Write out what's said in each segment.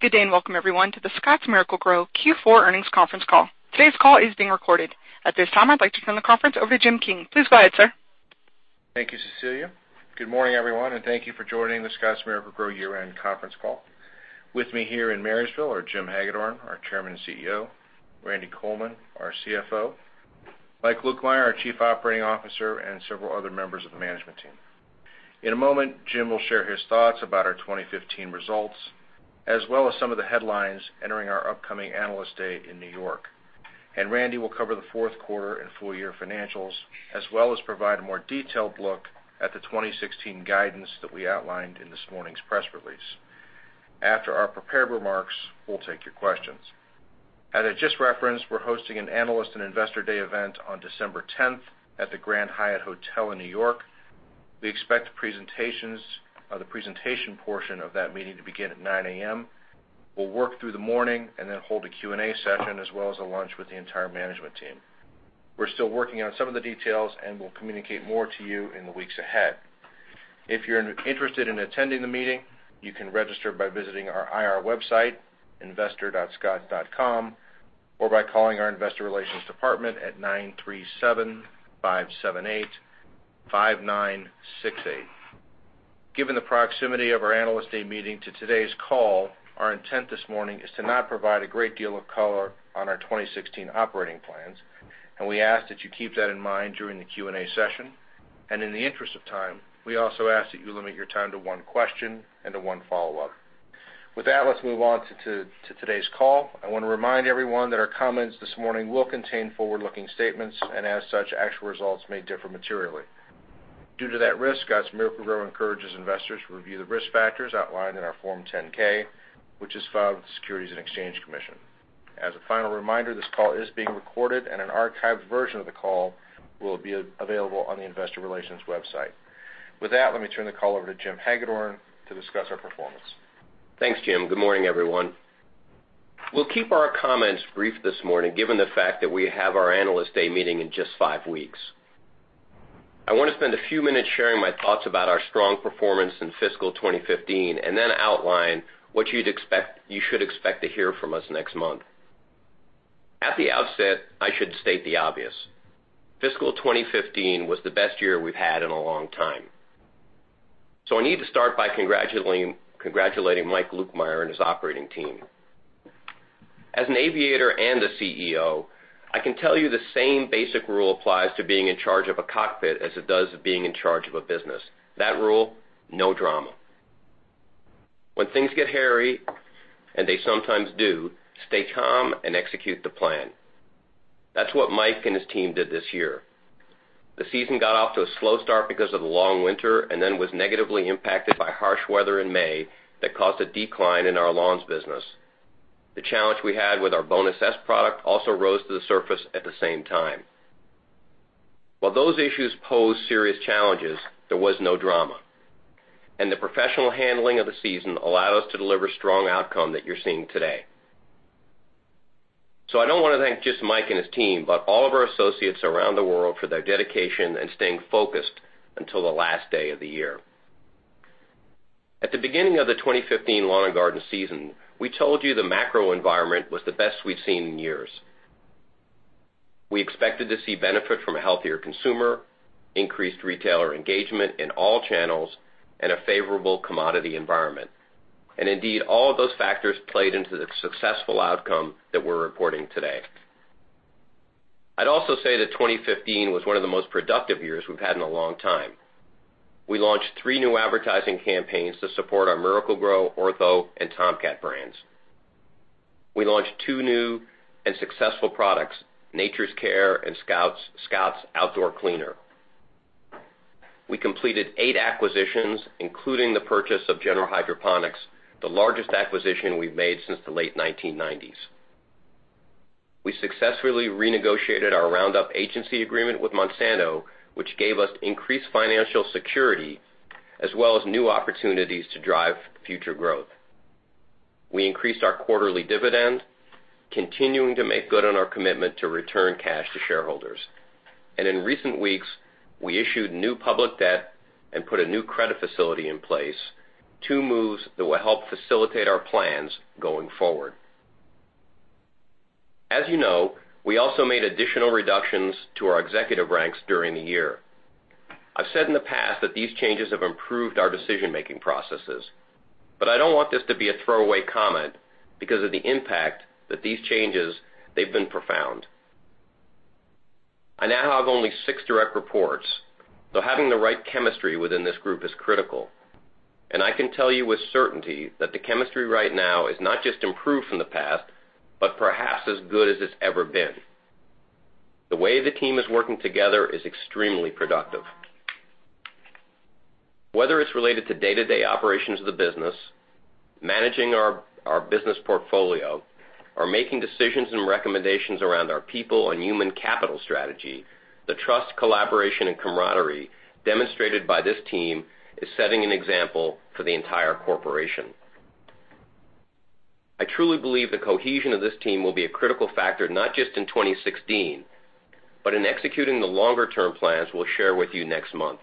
Good day, welcome everyone to the Scotts Miracle-Gro Q4 earnings conference call. Today's call is being recorded. At this time, I'd like to turn the conference over to Jim King. Please go ahead, sir. Thank you, Cecilia. Good morning, everyone, thank you for joining the Scotts Miracle-Gro year-end conference call. With me here in Marysville are Jim Hagedorn, our Chairman and CEO; Randy Coleman, our CFO; Mike Lukemire, our Chief Operating Officer, and several other members of the management team. In a moment, Jim will share his thoughts about our 2015 results, as well as some of the headlines entering our upcoming Analyst Day in New York. Randy will cover the fourth quarter and full year financials, as well as provide a more detailed look at the 2016 guidance that we outlined in this morning's press release. After our prepared remarks, we'll take your questions. As I just referenced, we're hosting an Analyst and Investor Day event on December 10th at the Grand Hyatt Hotel in New York. We expect the presentation portion of that meeting to begin at 9:00 A.M. We'll work through the morning, then hold a Q&A session, as well as a lunch with the entire management team. We're still working on some of the details, we'll communicate more to you in the weeks ahead. If you're interested in attending the meeting, you can register by visiting our IR website, investor.scotts.com, or by calling our investor relations department at (937) 578-5968. Given the proximity of our Analyst Day meeting to today's call, our intent this morning is to not provide a great deal of color on our 2016 operating plans, we ask that you keep that in mind during the Q&A session. In the interest of time, we also ask that you limit your time to one question and to one follow-up. With that, let's move on to today's call. I want to remind everyone that our comments this morning will contain forward-looking statements, as such, actual results may differ materially. Due to that risk, Scotts Miracle-Gro encourages investors to review the risk factors outlined in our Form 10-K, which is filed with the Securities and Exchange Commission. As a final reminder, this call is being recorded, an archived version of the call will be available on the investor relations website. With that, let me turn the call over to Jim Hagedorn to discuss our performance. Thanks, Jim. Good morning, everyone. We'll keep our comments brief this morning, given the fact that we have our Analyst Day meeting in just five weeks. I want to spend a few minutes sharing my thoughts about our strong performance in fiscal 2015, and then outline what you should expect to hear from us next month. At the outset, I should state the obvious. Fiscal 2015 was the best year we've had in a long time. I need to start by congratulating Mike Lukemire and his operating team. As an aviator and a CEO, I can tell you the same basic rule applies to being in charge of a cockpit as it does being in charge of a business. That rule, no drama. When things get hairy, and they sometimes do, stay calm and execute the plan. That's what Mike and his team did this year. The season got off to a slow start because of the long winter, and then was negatively impacted by harsh weather in May that caused a decline in our lawns business. The challenge we had with our Bonus S product also rose to the surface at the same time. While those issues posed serious challenges, there was no drama, and the professional handling of the season allowed us to deliver strong outcome that you're seeing today. I don't want to thank just Mike and his team, but all of our associates around the world for their dedication and staying focused until the last day of the year. At the beginning of the 2015 lawn and garden season, we told you the macro environment was the best we'd seen in years. We expected to see benefit from a healthier consumer, increased retailer engagement in all channels, and a favorable commodity environment. Indeed, all of those factors played into the successful outcome that we're reporting today. I'd also say that 2015 was one of the most productive years we've had in a long time. We launched three new advertising campaigns to support our Miracle-Gro, Ortho, and Tomcat brands. We launched two new and successful products, Nature's Care and Scotts Outdoor Cleaner. We completed eight acquisitions, including the purchase of General Hydroponics, the largest acquisition we've made since the late 1990s. We successfully renegotiated our Roundup agency agreement with Monsanto, which gave us increased financial security, as well as new opportunities to drive future growth. We increased our quarterly dividend, continuing to make good on our commitment to return cash to shareholders. In recent weeks, we issued new public debt and put a new credit facility in place, two moves that will help facilitate our plans going forward. As you know, we also made additional reductions to our executive ranks during the year. I've said in the past that these changes have improved our decision-making processes, but I don't want this to be a throwaway comment because of the impact that these changes, they've been profound. I now have only six direct reports, so having the right chemistry within this group is critical, and I can tell you with certainty that the chemistry right now is not just improved from the past, but perhaps as good as it's ever been. The way the team is working together is extremely productive. Whether it's related to day-to-day operations of the business, managing our business portfolio, or making decisions and recommendations around our people and human capital strategy, the trust, collaboration, and camaraderie demonstrated by this team is setting an example for the entire corporation. I truly believe the cohesion of this team will be a critical factor not just in 2016, but in executing the longer-term plans we'll share with you next month.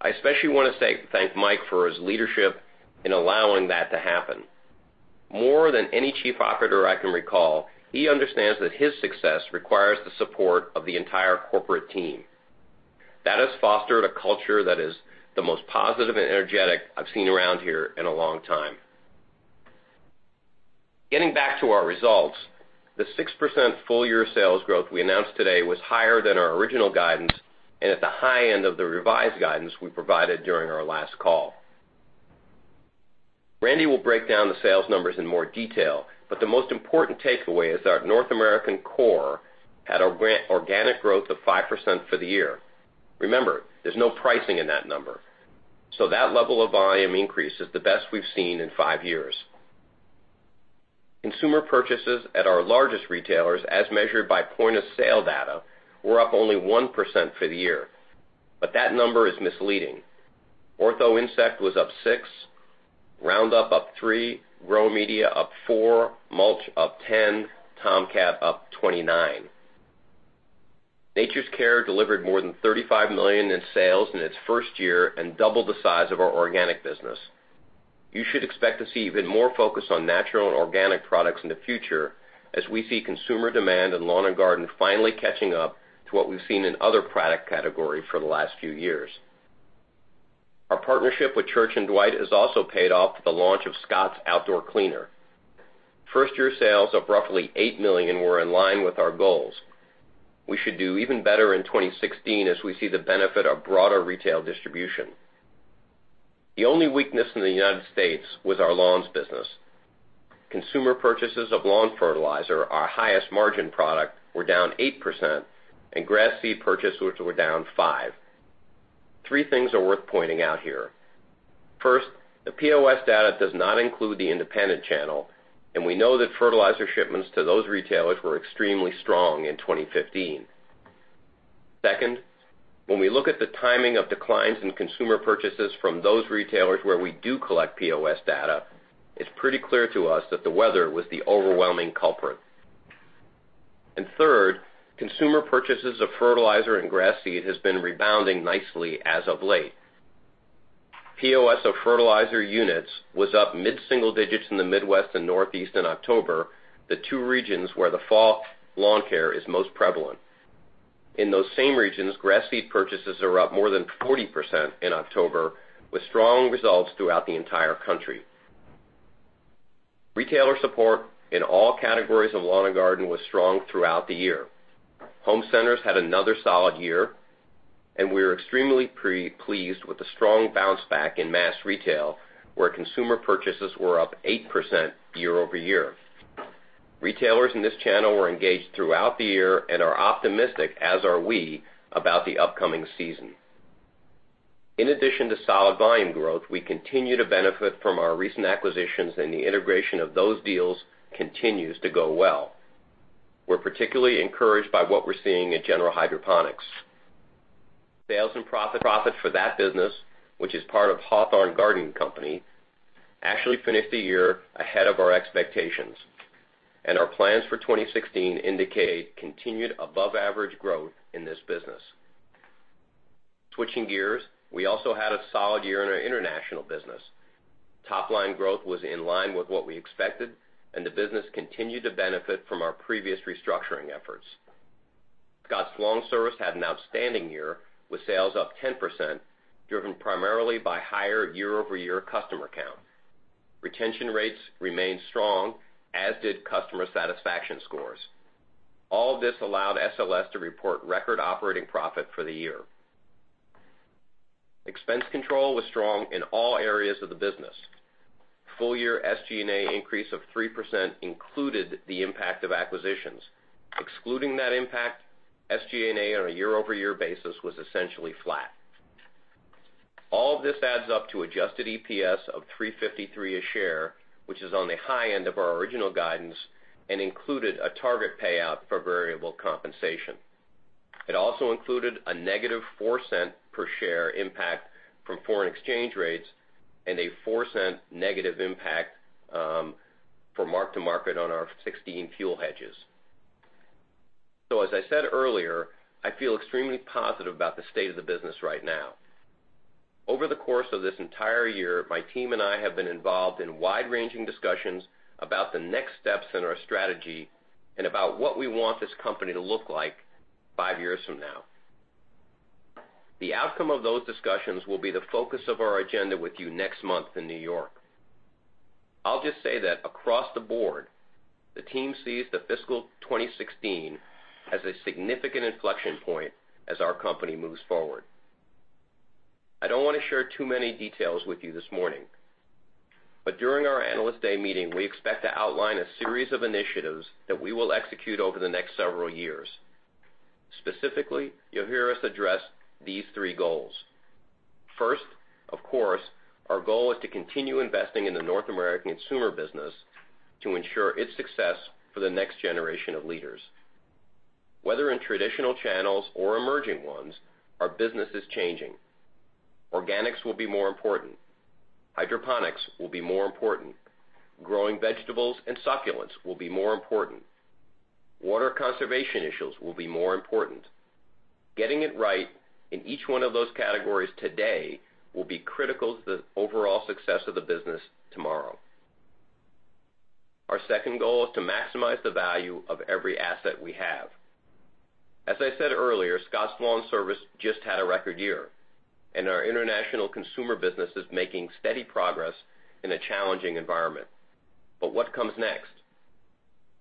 I especially want to thank Mike for his leadership in allowing that to happen. More than any chief operator I can recall, he understands that his success requires the support of the entire corporate team. That has fostered a culture that is the most positive and energetic I've seen around here in a long time. Getting back to our results, the 6% full-year sales growth we announced today was higher than our original guidance and at the high end of the revised guidance we provided during our last call. Randy will break down the sales numbers in more detail, but the most important takeaway is that our North American core had organic growth of 5% for the year. Remember, there's no pricing in that number, so that level of volume increase is the best we've seen in five years. Consumer purchases at our largest retailers, as measured by point of sale data, were up only 1% for the year, but that number is misleading. Ortho Insect was up six, Roundup up three, Growing Media up four, Mulch up 10, Tomcat up 29. Nature's Care delivered more than $35 million in sales in its first year and doubled the size of our organic business. You should expect to see even more focus on natural and organic products in the future, as we see consumer demand in lawn and garden finally catching up to what we've seen in other product categories for the last few years. Our partnership with Church & Dwight has also paid off with the launch of Scotts Outdoor Cleaner. First-year sales of roughly $8 million were in line with our goals. We should do even better in 2016 as we see the benefit of broader retail distribution. The only weakness in the U.S. was our lawns business. Consumer purchases of lawn fertilizer, our highest margin product, were down 8%, and grass seed purchases were down 5%. Three things are worth pointing out here. First, the POS data does not include the independent channel, and we know that fertilizer shipments to those retailers were extremely strong in 2015. Second, when we look at the timing of declines in consumer purchases from those retailers where we do collect POS data, it's pretty clear to us that the weather was the overwhelming culprit. Third, consumer purchases of fertilizer and grass seed has been rebounding nicely as of late. POS of fertilizer units was up mid-single digits in the Midwest and Northeast in October, the two regions where fall lawn care is most prevalent. In those same regions, grass seed purchases are up more than 40% in October, with strong results throughout the entire country. Retailer support in all categories of lawn and garden was strong throughout the year. Home centers had another solid year, and we are extremely pleased with the strong bounce back in mass retail, where consumer purchases were up 8% year-over-year. Retailers in this channel were engaged throughout the year and are optimistic, as are we, about the upcoming season. In addition to solid volume growth, we continue to benefit from our recent acquisitions and the integration of those deals continues to go well. We're particularly encouraged by what we're seeing in General Hydroponics. Sales and profits for that business, which is part of Hawthorne Gardening Company, actually finished the year ahead of our expectations, and our plans for 2016 indicate continued above-average growth in this business. Switching gears, we also had a solid year in our international business. Top-line growth was in line with what we expected, and the business continued to benefit from our previous restructuring efforts. Scotts LawnService had an outstanding year, with sales up 10%, driven primarily by higher year-over-year customer count. Retention rates remained strong, as did customer satisfaction scores. All this allowed SLS to report record operating profit for the year. Expense control was strong in all areas of the business. Full-year SG&A increase of 3% included the impact of acquisitions. Excluding that impact, SG&A on a year-over-year basis was essentially flat. All of this adds up to adjusted EPS of $3.53 a share, which is on the high end of our original guidance and included a target payout for variable compensation. It also included a negative $0.04 per share impact from foreign exchange rates and a negative $0.04 impact from mark-to-market on our 2016 fuel hedges. As I said earlier, I feel extremely positive about the state of the business right now. Over the course of this entire year, my team and I have been involved in wide-ranging discussions about the next steps in our strategy and about what we want this company to look like five years from now. The outcome of those discussions will be the focus of our agenda with you next month in New York. I'll just say that across the board, the team sees the fiscal 2016 as a significant inflection point as our company moves forward. I don't want to share too many details with you this morning. During our Analyst Day meeting, we expect to outline a series of initiatives that we will execute over the next several years. Specifically, you'll hear us address these three goals. First, of course, our goal is to continue investing in the North American consumer business to ensure its success for the next generation of leaders. Whether in traditional channels or emerging ones, our business is changing. Organics will be more important. Hydroponics will be more important. Growing vegetables and succulents will be more important. Water conservation issues will be more important. Getting it right in each one of those categories today will be critical to the overall success of the business tomorrow. Our second goal is to maximize the value of every asset we have. As I said earlier, Scotts LawnService just had a record year, and our international consumer business is making steady progress in a challenging environment. What comes next?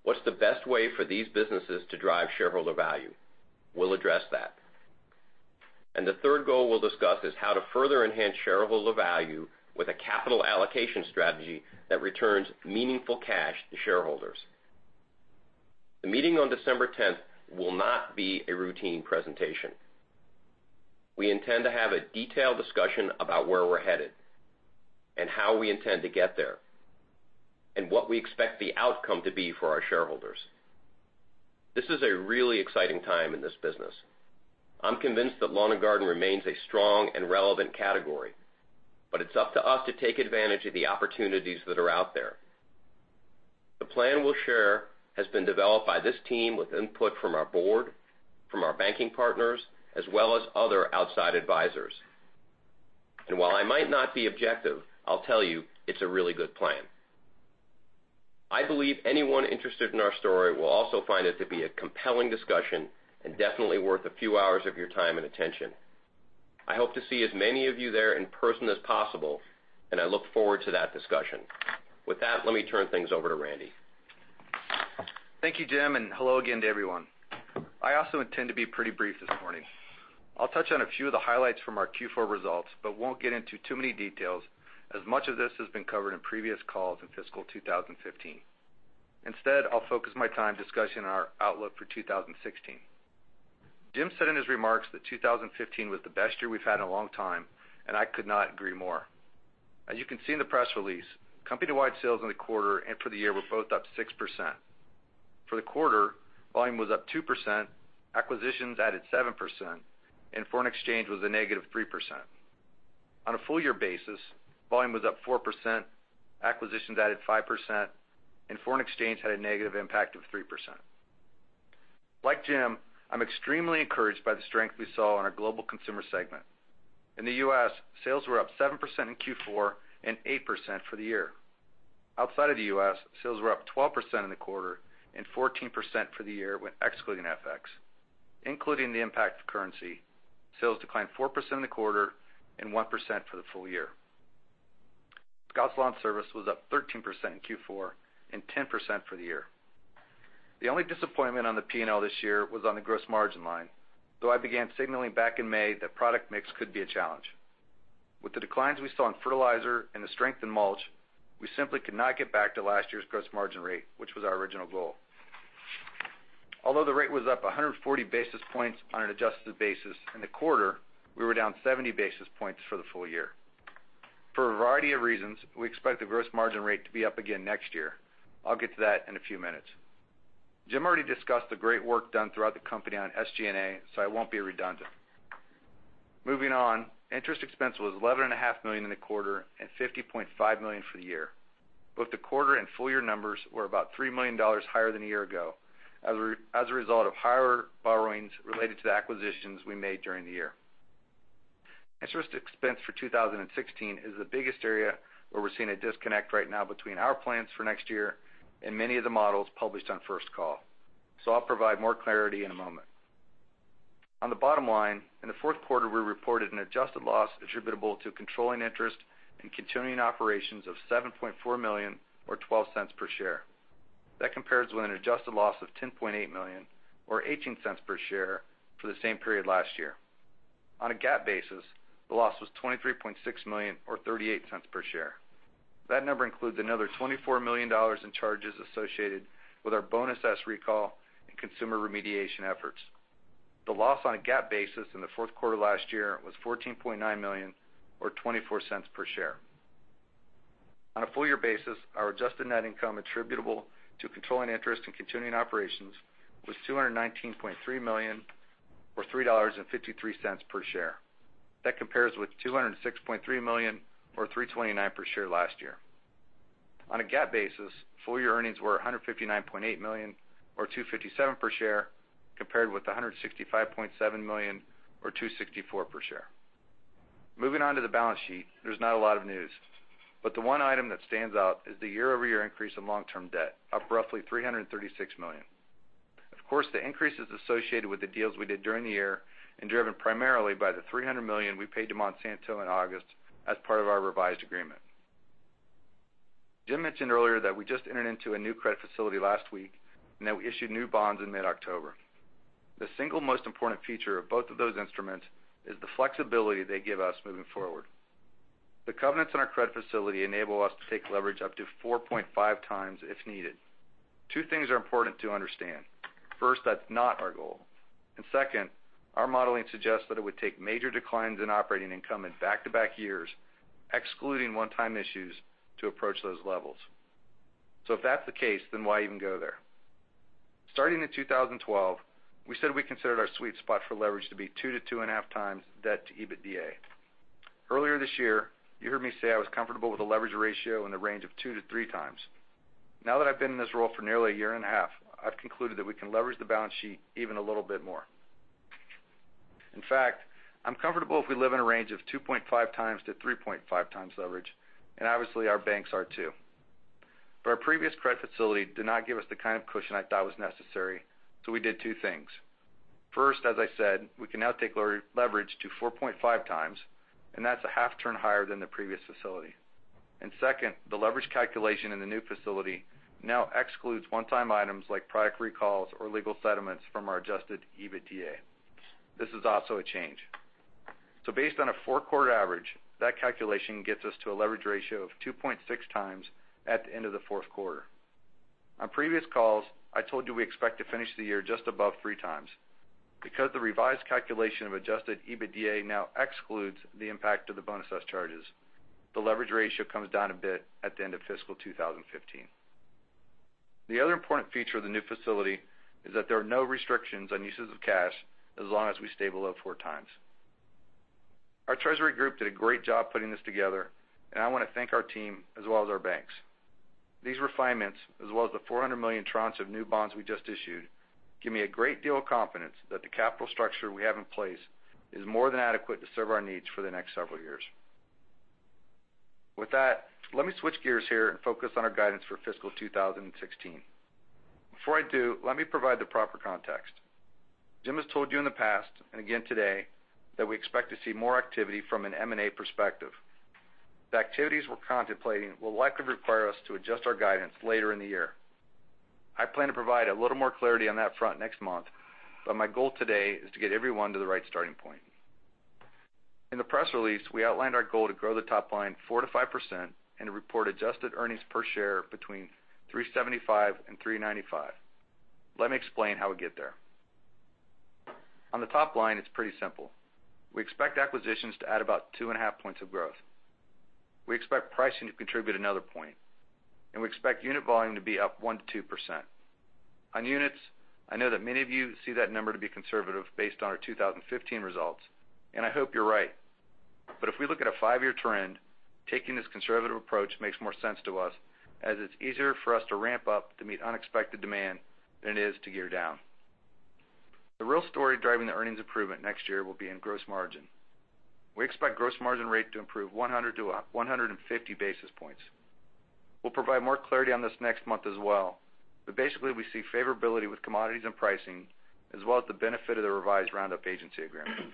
What's the best way for these businesses to drive shareholder value? We'll address that. The third goal we'll discuss is how to further enhance shareholder value with a capital allocation strategy that returns meaningful cash to shareholders. The meeting on December 10th will not be a routine presentation. We intend to have a detailed discussion about where we're headed, how we intend to get there, and what we expect the outcome to be for our shareholders. This is a really exciting time in this business. I'm convinced that lawn and garden remains a strong and relevant category, but it's up to us to take advantage of the opportunities that are out there. The plan we'll share has been developed by this team with input from our board, from our banking partners, as well as other outside advisors. While I might not be objective, I'll tell you, it's a really good plan. I believe anyone interested in our story will also find it to be a compelling discussion and definitely worth a few hours of your time and attention. I hope to see as many of you there in person as possible. I look forward to that discussion. With that, let me turn things over to Randy. Thank you, Jim. Hello again to everyone. I also intend to be pretty brief this morning. I'll touch on a few of the highlights from our Q4 results, won't get into too many details as much of this has been covered in previous calls in fiscal 2015. Instead, I'll focus my time discussing our outlook for 2016. Jim said in his remarks that 2015 was the best year we've had in a long time. I could not agree more. As you can see in the press release, company-wide sales in the quarter and for the year were both up 6%. For the quarter, volume was up 2%, acquisitions added 7%, foreign exchange was a negative 3%. On a full year basis, volume was up 4%, acquisitions added 5%, foreign exchange had a negative impact of 3%. Like Jim, I'm extremely encouraged by the strength we saw in our global consumer segment. In the U.S., sales were up 7% in Q4 and 8% for the year. Outside of the U.S., sales were up 12% in the quarter and 14% for the year when excluding FX. Including the impact of currency, sales declined 4% in the quarter and 1% for the full year. Scotts LawnService was up 13% in Q4 and 10% for the year. The only disappointment on the P&L this year was on the gross margin line, though I began signaling back in May that product mix could be a challenge. With the declines we saw in fertilizer and the strength in mulch, we simply could not get back to last year's gross margin rate, which was our original goal. Although the rate was up 140 basis points on an adjusted basis in the quarter, we were down 70 basis points for the full year. For a variety of reasons, we expect the gross margin rate to be up again next year. I'll get to that in a few minutes. Jim already discussed the great work done throughout the company on SG&A, I won't be redundant. Moving on, interest expense was $11.5 million in the quarter and $50.5 million for the year. Both the quarter and full year numbers were about $3 million higher than a year ago, as a result of higher borrowings related to the acquisitions we made during the year. Interest expense for 2016 is the biggest area where we're seeing a disconnect right now between our plans for next year and many of the models published on First Call. I'll provide more clarity in a moment. On the bottom line, in the fourth quarter, we reported an adjusted loss attributable to controlling interest in continuing operations of $7.4 million or $0.12 per share. That compares with an adjusted loss of $10.8 million or $0.18 per share for the same period last year. On a GAAP basis, the loss was $23.6 million or $0.38 per share. That number includes another $24 million in charges associated with our Bonus S recall and consumer remediation efforts. The loss on a GAAP basis in the fourth quarter last year was $14.9 million or $0.24 per share. On a full year basis, our adjusted net income attributable to controlling interest in continuing operations was $219.3 million or $3.53 per share. That compares with $206.3 million or $3.29 per share last year. On a GAAP basis, full year earnings were $159.8 million or $2.57 per share, compared with the $165.7 million or $2.64 per share. Moving on to the balance sheet, there's not a lot of news, but the one item that stands out is the year-over-year increase in long-term debt, up roughly $336 million. Of course, the increase is associated with the deals we did during the year and driven primarily by the $300 million we paid to Monsanto in August as part of our revised agreement. Jim mentioned earlier that we just entered into a new credit facility last week and that we issued new bonds in mid-October. The single most important feature of both of those instruments is the flexibility they give us moving forward. The covenants in our credit facility enable us to take leverage up to 4.5 times if needed. Two things are important to understand. First, that's not our goal. Second, our modeling suggests that it would take major declines in operating income in back-to-back years, excluding one-time issues, to approach those levels. If that's the case, then why even go there? Starting in 2012, we said we considered our sweet spot for leverage to be 2-2.5 times debt to EBITDA. Earlier this year, you heard me say I was comfortable with a leverage ratio in the range of 2-3 times. Now that I've been in this role for nearly a year and a half, I've concluded that we can leverage the balance sheet even a little bit more. In fact, I'm comfortable if we live in a range of 2.5-3.5 times leverage, and obviously, our banks are too. Our previous credit facility did not give us the kind of cushion I thought was necessary, we did two things. First, as I said, we can now take leverage to 4.5 times, that's a half turn higher than the previous facility. Second, the leverage calculation in the new facility now excludes one-time items like product recalls or legal settlements from our adjusted EBITDA. This is also a change. Based on a 4-quarter average, that calculation gets us to a leverage ratio of 2.6 times at the end of the fourth quarter. On previous calls, I told you we expect to finish the year just above 3 times. Because the revised calculation of adjusted EBITDA now excludes the impact of the Bonus S charges, the leverage ratio comes down a bit at the end of fiscal 2015. The other important feature of the new facility is that there are no restrictions on uses of cash as long as we stay below 4 times. Our treasury group did a great job putting this together, and I want to thank our team as well as our banks. These refinements, as well as the $400 million tranches of new bonds we just issued, give me a great deal of confidence that the capital structure we have in place is more than adequate to serve our needs for the next several years. With that, let me switch gears here and focus on our guidance for fiscal 2016. Before I do, let me provide the proper context. Jim has told you in the past, and again today, that we expect to see more activity from an M&A perspective. The activities we're contemplating will likely require us to adjust our guidance later in the year. I plan to provide a little more clarity on that front next month, but my goal today is to get everyone to the right starting point. In the press release, we outlined our goal to grow the top line 4%-5% and to report adjusted earnings per share between $3.75 and $3.95. Let me explain how we get there. On the top line, it's pretty simple. We expect acquisitions to add about two and a half points of growth. We expect pricing to contribute another point, and we expect unit volume to be up 1%-2%. On units, I know that many of you see that number to be conservative based on our 2015 results, and I hope you're right. If we look at a five-year trend, taking this conservative approach makes more sense to us, as it's easier for us to ramp up to meet unexpected demand than it is to gear down. The real story driving the earnings improvement next year will be in gross margin. We expect gross margin rate to improve 100-150 basis points. We'll provide more clarity on this next month as well. Basically, we see favorability with commodities and pricing, as well as the benefit of the revised Roundup agency agreement.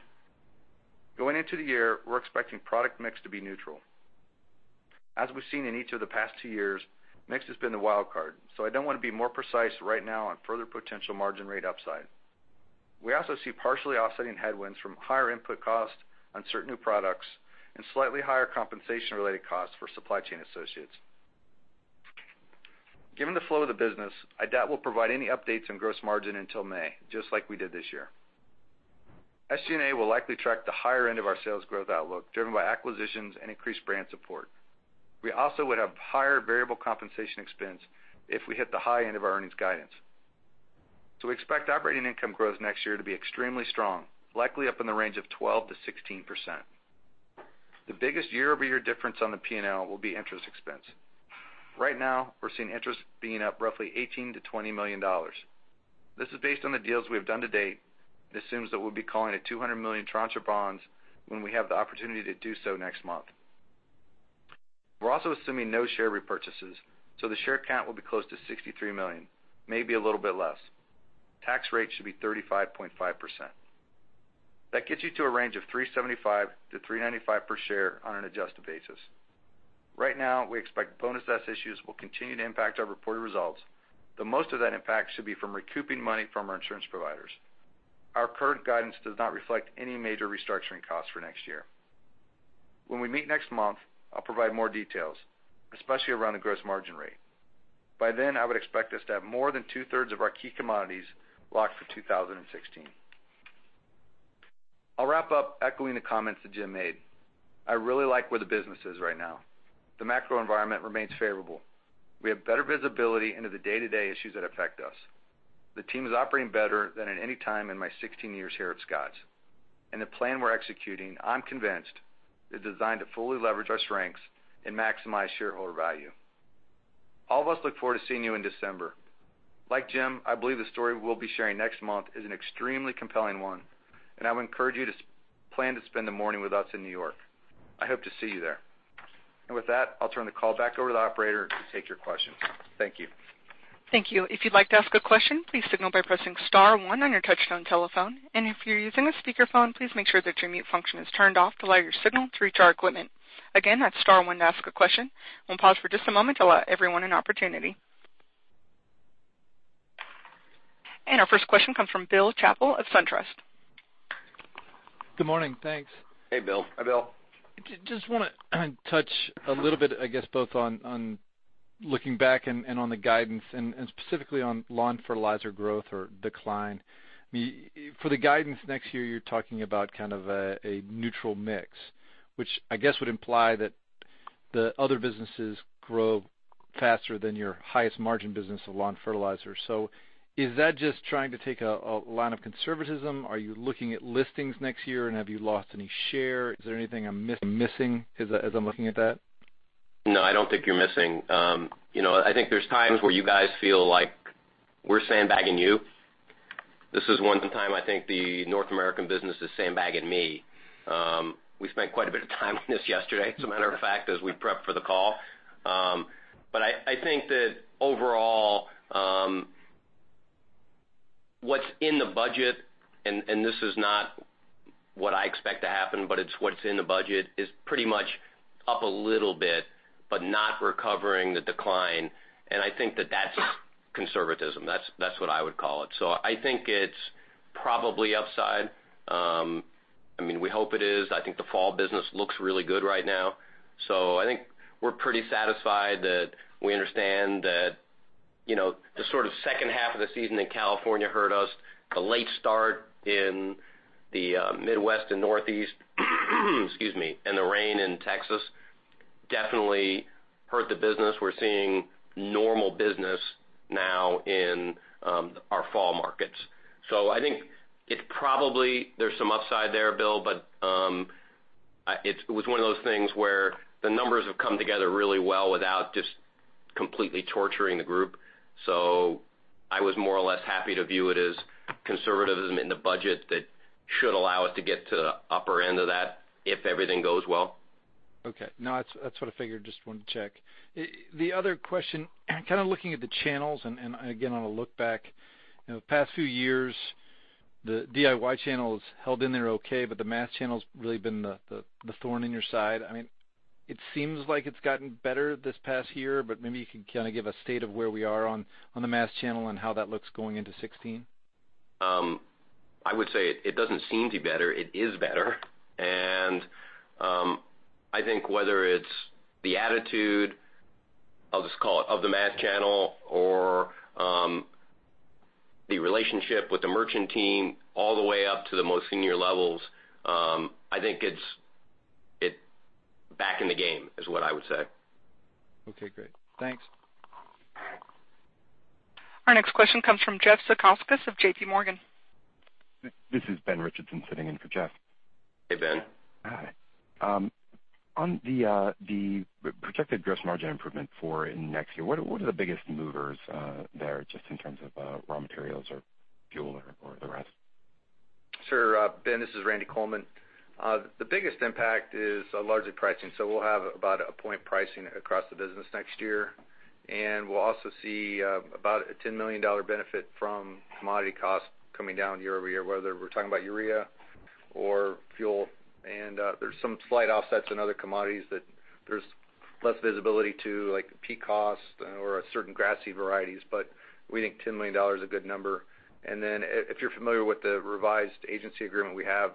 Going into the year, we're expecting product mix to be neutral. As we've seen in each of the past 2 years, mix has been the wild card, I don't want to be more precise right now on further potential margin rate upside. We also see partially offsetting headwinds from higher input costs on certain new products and slightly higher compensation-related costs for supply chain associates. Given the flow of the business, I doubt we'll provide any updates on gross margin until May, just like we did this year. SG&A will likely track the higher end of our sales growth outlook, driven by acquisitions and increased brand support. We also would have higher variable compensation expense if we hit the high end of our earnings guidance. We expect operating income growth next year to be extremely strong, likely up in the range of 12%-16%. The biggest year-over-year difference on the P&L will be interest expense. Right now, we're seeing interest being up roughly $18 million-$20 million. This is based on the deals we have done to date and assumes that we'll be calling a $200 million tranche of bonds when we have the opportunity to do so next month. We're also assuming no share repurchases, the share count will be close to 63 million, maybe a little bit less. Tax rate should be 35.5%. That gets you to a range of $3.75-$3.95 per share on an adjusted basis. Right now, we expect Bonus S issues will continue to impact our reported results, though most of that impact should be from recouping money from our insurance providers. Our current guidance does not reflect any major restructuring costs for next year. When we meet next month, I'll provide more details, especially around the gross margin rate. By then, I would expect us to have more than two-thirds of our key commodities locked for 2016. I'll wrap up echoing the comments that Jim made. I really like where the business is right now. The macro environment remains favorable. We have better visibility into the day-to-day issues that affect us. The team is operating better than at any time in my 16 years here at Scotts, and the plan we're executing, I'm convinced, is designed to fully leverage our strengths and maximize shareholder value. All of us look forward to seeing you in December. Like Jim, I believe the story we'll be sharing next month is an extremely compelling one, and I would encourage you to plan to spend the morning with us in New York. I hope to see you there. With that, I'll turn the call back over to the operator to take your questions. Thank you. Thank you. If you'd like to ask a question, please signal by pressing *1 on your touchtone telephone. If you're using a speakerphone, please make sure that your mute function is turned off to allow your signal to reach our equipment. Again, that's *1 to ask a question. We'll pause for just a moment to allow everyone an opportunity. Our first question comes from Bill Chappell of SunTrust. Good morning. Thanks. Hey, Bill. Hi, Bill. Just want to touch a little bit, I guess, both on looking back and on the guidance, and specifically on lawn fertilizer growth or decline. For the guidance next year, you're talking about kind of a neutral mix, which I guess would imply that the other businesses grow faster than your highest margin business of lawn fertilizer. Is that just trying to take a line of conservatism? Are you looking at listings next year, and have you lost any share? Is there anything I'm missing as I'm looking at that? No, I don't think you're missing. I think there's times where you guys feel like we're sandbagging you. This is one time I think the North American business is sandbagging me. We spent quite a bit of time on this yesterday, as a matter of fact, as we prepped for the call. I think that overall, what's in the budget, and this is not what I expect to happen, but it's what's in the budget, is pretty much up a little bit, but not recovering the decline. I think that's conservatism. That's what I would call it. I think it's probably upside. We hope it is. I think the fall business looks really good right now. I think we're pretty satisfied that we understand that the sort of second half of the season in California hurt us. The late start in the Midwest and Northeast, and the rain in Texas definitely hurt the business. We're seeing normal business now in our fall markets. I think probably there's some upside there, Bill, but it was one of those things where the numbers have come together really well without just completely torturing the group. I was more or less happy to view it as conservatism in the budget that should allow us to get to the upper end of that if everything goes well. Okay. No, that's what I figured. Just wanted to check. The other question, kind of looking at the channels and, again, on a look back, the past few years, the DIY channel has held in there okay, but the mass channel's really been the thorn in your side. It seems like it's gotten better this past year, but maybe you can kind of give a state of where we are on the mass channel and how that looks going into 2016. I would say it doesn't seem to be better, it is better. I think whether it's the attitude, I'll just call it, of the mass channel or the relationship with the merchant team, all the way up to the most senior levels, I think it's back in the game, is what I would say. Okay, great. Thanks. Our next question comes from Jeff Zekauskas of JPMorgan. This is Ben Richardson sitting in for Jeff. Hey, Ben. Hi. On the projected gross margin improvement for next year, what are the biggest movers there, just in terms of raw materials or fuel or the rest? Sure. Ben, this is Randy Coleman. We'll have about a point pricing across the business next year, and we'll also see about a $10 million benefit from commodity costs coming down year-over-year, whether we're talking about urea or fuel. There's some slight offsets in other commodities that there's less visibility to, like peat cost or certain grassy varieties, but we think $10 million is a good number. If you're familiar with the revised agency agreement we have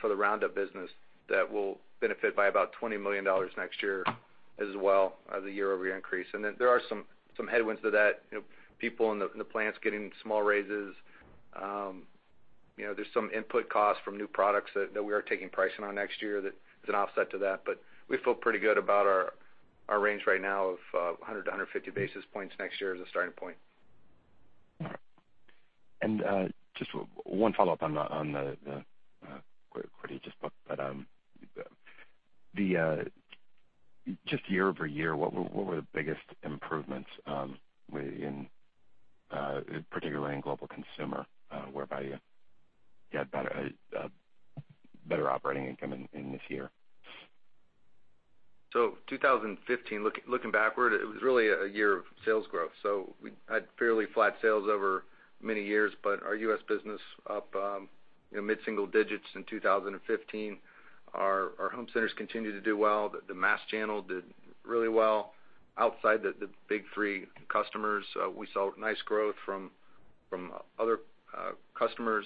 for the Roundup business, that will benefit by about $20 million next year as well as a year-over-year increase. There are some headwinds to that. People in the plants getting small raises. There's some input costs from new products that we are taking pricing on next year that is an offset to that. We feel pretty good about our range right now of 100 to 150 basis points next year as a starting point. Just one follow-up on the query you just put. Just year-over-year, what were the biggest improvements, particularly in Global Consumer, whereby you had better operating income in this year? 2015, looking backward, it was really a year of sales growth. We had fairly flat sales over many years, but our U.S. business up mid-single digits in 2015. Our home centers continue to do well. The mass channel did really well. Outside the big three customers, we saw nice growth from other customers.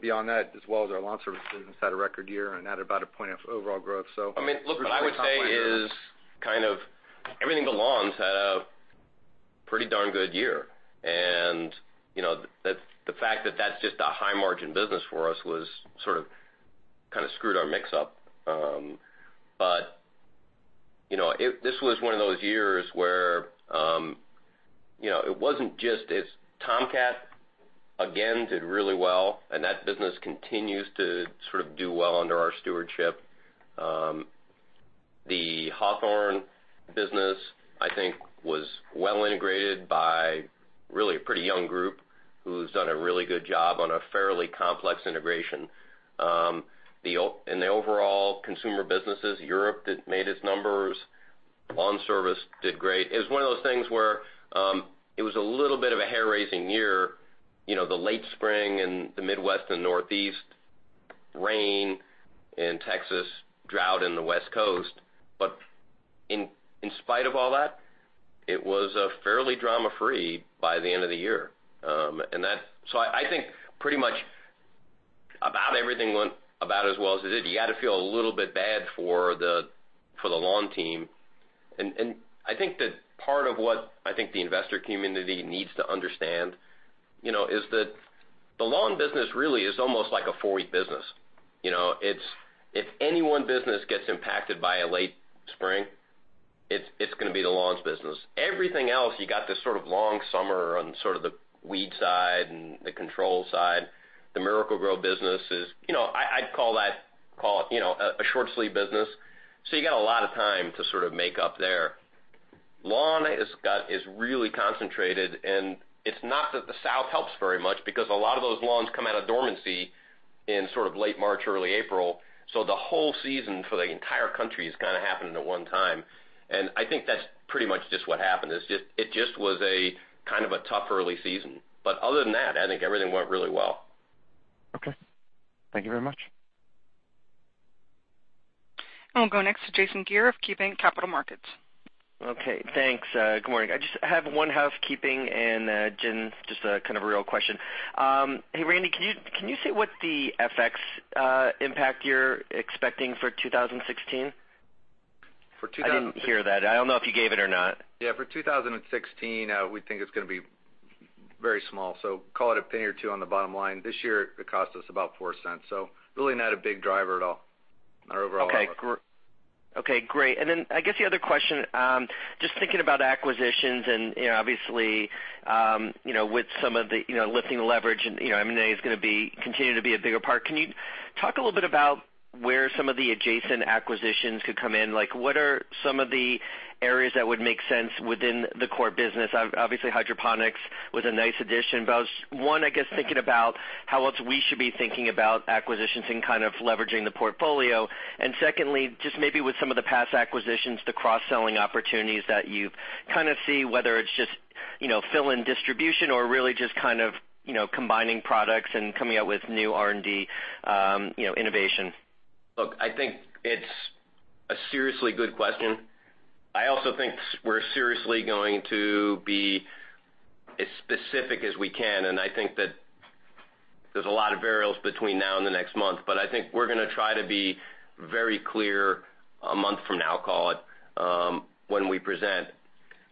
Beyond that, as well as our LawnService business, had a record year and had about a point of overall growth. Look, what I would say is kind of everything but lawns had a pretty darn good year. The fact that that's just a high-margin business for us sort of screwed our mix up. This was one of those years where it wasn't just, it's Tomcat again did really well and that business continues to sort of do well under our stewardship. The Hawthorne business, I think, was well integrated by really a pretty young group who's done a really good job on a fairly complex integration. In the overall consumer businesses, Europe did made its numbers. LawnService did great. It was one of those things where it was a little bit of a hair-raising year, the late spring in the Midwest and Northeast, rain in Texas, drought in the West Coast. In spite of all that, it was fairly drama-free by the end of the year. I think pretty much about everything went about as well as it did. You had to feel a little bit bad for the lawn team I think that part of what the investor community needs to understand is that the lawn business really is almost like a four-week business. If any one business gets impacted by a late spring, it's going to be the lawns business. Everything else, you got this sort of long summer on the weed side and the control side. The Miracle-Gro business is, I'd call it a short sleeve business. You got a lot of time to make up there. Lawn is really concentrated, and it's not that the South helps very much because a lot of those lawns come out of dormancy in late March, early April. The whole season for the entire country is kind of happening at one time. I think that's pretty much just what happened, is it just was a kind of a tough early season. Other than that, I think everything went really well. Okay. Thank you very much. I'll go next to Jason Gere of KeyBanc Capital Markets. Okay, thanks. Good morning. I just have one housekeeping and then, Jim, just a kind of a real question. Hey, Randy, can you say what the FX impact you're expecting for 2016? For 2016- I didn't hear that. I don't know if you gave it or not. Yeah, for 2016, we think it's going to be very small, so call it $0.01 or $0.02 on the bottom line. This year, it cost us about $0.04, so really not a big driver at all on our overall model. I guess the other question, just thinking about acquisitions and obviously with some of the lifting the leverage and M&A is going to continue to be a bigger part, can you talk a little bit about where some of the adjacent acquisitions could come in? What are some of the areas that would make sense within the core business? Obviously, hydroponics was a nice addition, but I was, one, I guess, thinking about how else we should be thinking about acquisitions and kind of leveraging the portfolio. Secondly, just maybe with some of the past acquisitions, the cross-selling opportunities that you kind of see, whether it's just fill in distribution or really just kind of combining products and coming out with new R&D innovation. Look, I think it's a seriously good question. I also think we're seriously going to be as specific as we can, and I think that there's a lot of variables between now and the next month. I think we're going to try to be very clear a month from now, call it, when we present.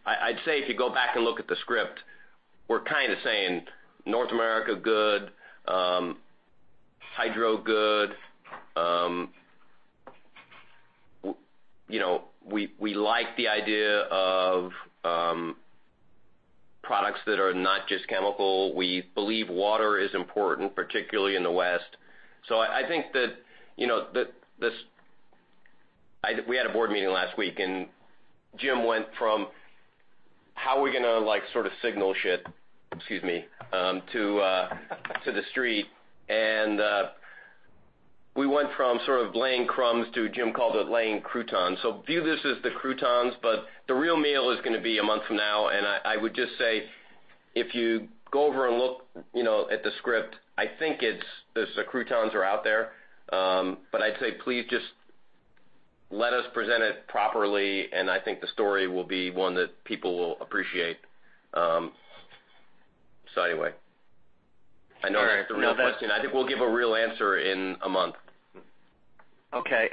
I'd say if you go back and look at the script, we're kind of saying North America good, hydro good. We like the idea of products that are not just chemical. We believe water is important, particularly in the West. I think that We had a board meeting last week, and Jim went from, how are we going to signal shit, excuse me, to the street. We went from sort of laying crumbs to Jim called it laying croutons. View this as the croutons, but the real meal is going to be a month from now. I would just say, if you go over and look at the script, I think the croutons are out there. I'd say please just let us present it properly, and I think the story will be one that people will appreciate. Anyway, I know I didn't answer the real question. I think we'll give a real answer in a month. Okay.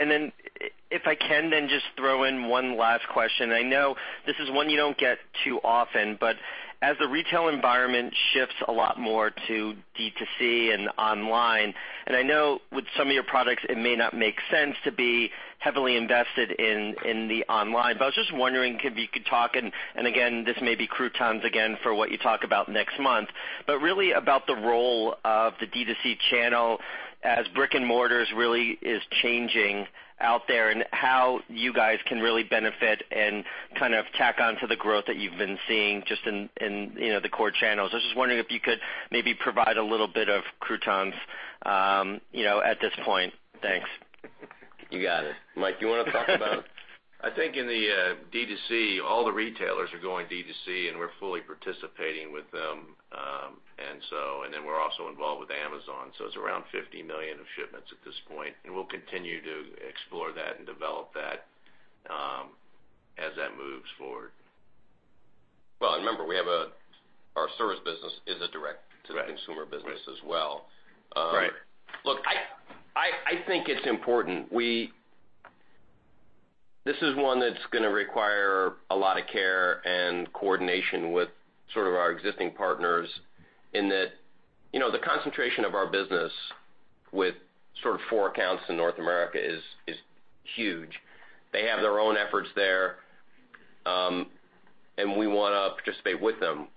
If I can then just throw in one last question. I know this is one you don't get too often, but as the retail environment shifts a lot more to D2C and online, and I know with some of your products it may not make sense to be heavily invested in the online. I was just wondering if you could talk, and again, this may be croutons again for what you talk about next month, but really about the role of the D2C channel as brick and mortars really is changing out there, and how you guys can really benefit and kind of tack on to the growth that you've been seeing just in the core channels. I was just wondering if you could maybe provide a little bit of croutons at this point. Thanks. You got it. Mike, you want to talk about I think in the D2C, all the retailers are going D2C, and we're fully participating with them. We're also involved with Amazon, it's around $50 million of shipments at this point, and we'll continue to explore that and develop that as that moves forward. Well, remember, our service business is a direct-to-the-consumer business as well. Right. Look, I think it's important. This is one that's going to require a lot of care and coordination with sort of our existing partners in that the concentration of our business with sort of four accounts in North America is huge. They have their own efforts there, we want to participate with them.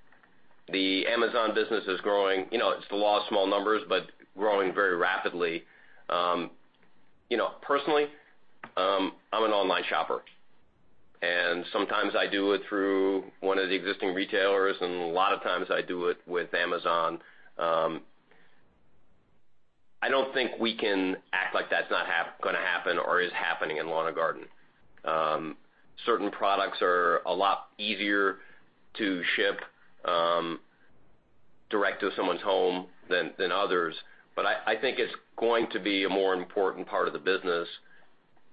The Amazon business is growing. It's the law of small numbers, growing very rapidly. Personally, I'm an online shopper, sometimes I do it through one of the existing retailers, a lot of times I do it with Amazon. I don't think we can act like that's not going to happen or is happening in Lawn and Garden. Certain products are a lot easier to ship direct to someone's home than others. I think it's going to be a more important part of the business,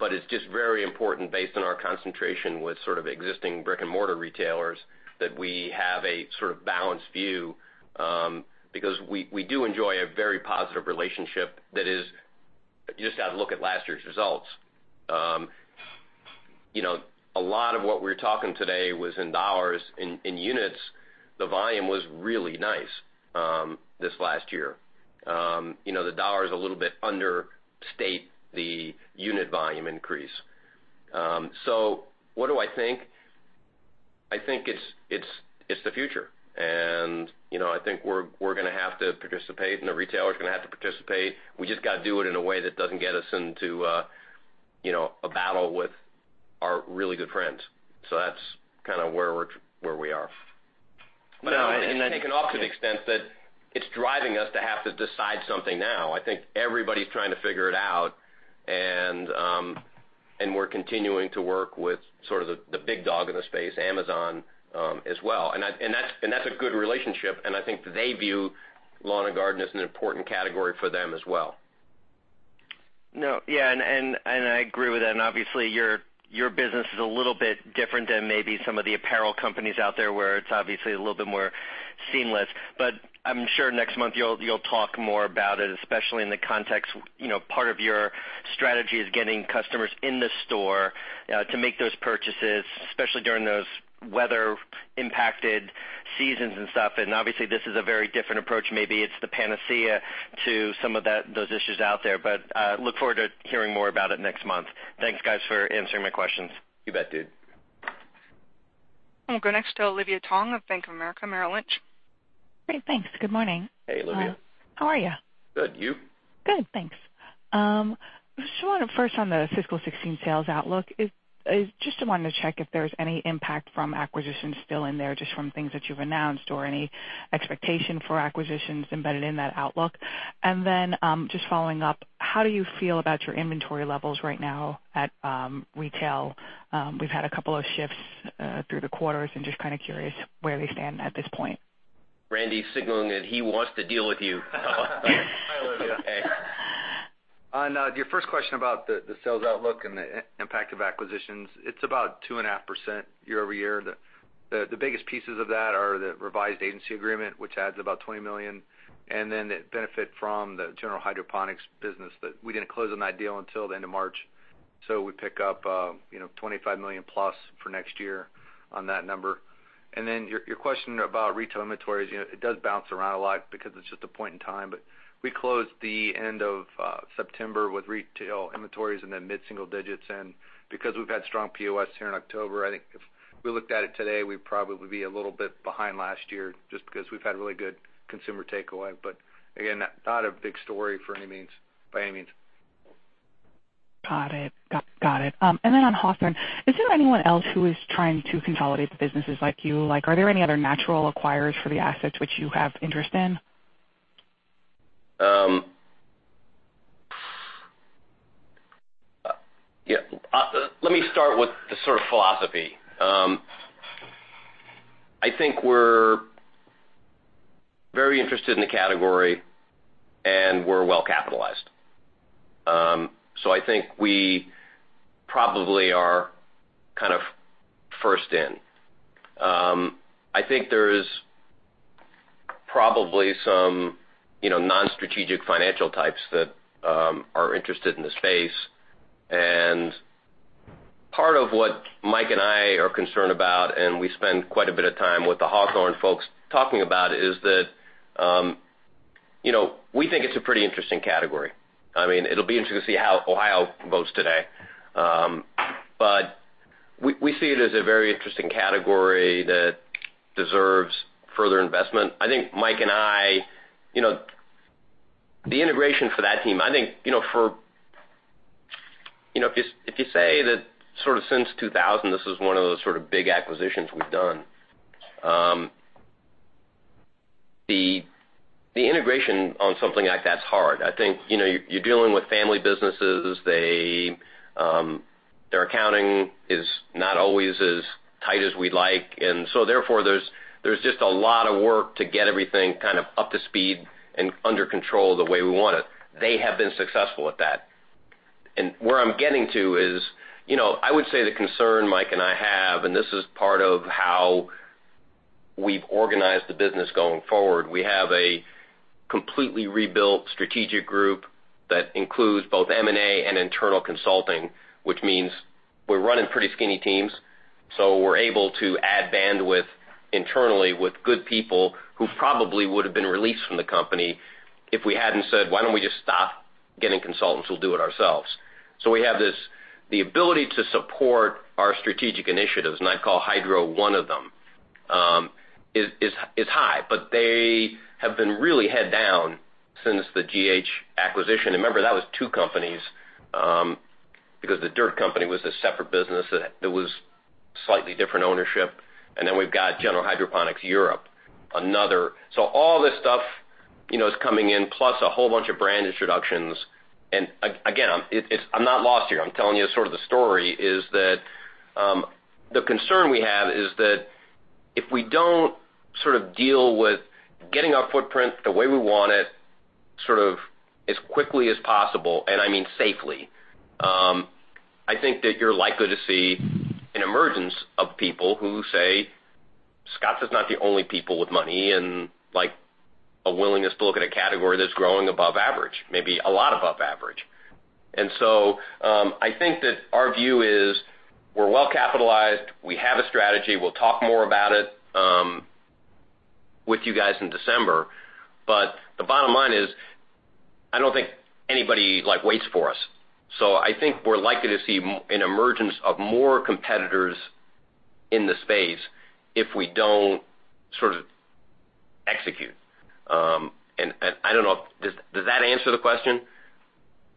it's just very important based on our concentration with sort of existing brick and mortar retailers that we have a sort of balanced view, because we do enjoy a very positive relationship that is You just got to look at last year's results. A lot of what we're talking today was in $. In units, the volume was really nice this last year. The $ is a little bit understate the unit volume increase. What do I think? I think it's the future, and I think we're going to have to participate, and the retailer is going to have to participate. We just got to do it in a way that doesn't get us into a battle with our really good friends. That's kind of where we are. I take it off to the extent that it's driving us to have to decide something now. I think everybody's trying to figure it out, and we're continuing to work with sort of the big dog in the space, Amazon, as well. That's a good relationship, and I think they view lawn and garden as an important category for them as well. No, yeah, I agree with that, obviously, your business is a little bit different than maybe some of the apparel companies out there, where it's obviously a little bit more seamless. I'm sure next month you'll talk more about it, especially in the context, part of your strategy is getting customers in the store to make those purchases, especially during those weather-impacted seasons and stuff. Obviously, this is a very different approach. Maybe it's the panacea to some of those issues out there, but look forward to hearing more about it next month. Thanks, guys, for answering my questions. You bet, dude. We'll go next to Olivia Tong of Bank of America Merrill Lynch. Great. Thanks. Good morning. Hey, Olivia. How are you? Good. You? Good, thanks. Just wanted first on the fiscal 2016 sales outlook. I just wanted to check if there's any impact from acquisitions still in there, just from things that you've announced or any expectation for acquisitions embedded in that outlook. Then, just following up, how do you feel about your inventory levels right now at retail? We've had a couple of shifts through the quarters and just kind of curious where they stand at this point. Randy's signaling that he wants to deal with you. Hi, Olivia. Hey. On your first question about the sales outlook and the impact of acquisitions, it is about 2.5% year-over-year. The biggest pieces of that are the revised agency agreement, which adds about $20 million, and then the benefit from the General Hydroponics business that we did not close on that deal until the end of March. We pick up $25 million plus for next year on that number. Your question about retail inventories, it does bounce around a lot because it is just a point in time. We closed the end of September with retail inventories in the mid-single digits, and because we have had strong POS here in October, I think if we looked at it today, we would probably be a little bit behind last year just because we have had really good consumer takeaway. Again, not a big story by any means. On Hawthorne, is there anyone else who is trying to consolidate the businesses like you? Are there any other natural acquirers for the assets which you have interest in? Let me start with the sort of philosophy. I think we are very interested in the category, and we are well-capitalized. I think we probably are kind of first in. I think there is probably some non-strategic financial types that are interested in the space, and part of what Mike and I are concerned about, and we spend quite a bit of time with the Hawthorne folks talking about it, is that we think it is a pretty interesting category. It will be interesting to see how Ohio votes today, but we see it as a very interesting category that deserves further investment. The integration for that team, if you say that sort of since 2000, this is one of those sort of big acquisitions we have done. The integration on something like that is hard. I think you are dealing with family businesses. Their accounting is not always as tight as we'd like. Therefore, there's just a lot of work to get everything kind of up to speed and under control the way we want it. They have been successful at that. Where I'm getting to is, I would say the concern Mike and I have, and this is part of how we've organized the business going forward. We have a completely rebuilt strategic group that includes both M&A and internal consulting, which means we're running pretty skinny teams, so we're able to add bandwidth internally with good people who probably would have been released from the company if we hadn't said, "Why don't we just stop getting consultants, we'll do it ourselves." We have the ability to support our strategic initiatives, and I'd call Hydro one of them, is high, but they have been really head down since the GH acquisition. Remember, that was two companies, because The Dirt Company was a separate business that was slightly different ownership, and then we've got General Hydroponics Europe, another. All this stuff is coming in, plus a whole bunch of brand introductions. Again, I'm not lost here. I'm telling you sort of the story is that the concern we have is that if we don't sort of deal with getting our footprint the way we want it sort of as quickly as possible, and I mean safely, I think that you're likely to see an emergence of people who say Scotts is not the only people with money and a willingness to look at a category that's growing above average, maybe a lot above average. I think that our view is we're well-capitalized, we have a strategy. We'll talk more about it with you guys in December. The bottom line is, I don't think anybody waits for us. I think we're likely to see an emergence of more competitors in the space if we don't execute. I don't know, does that answer the question?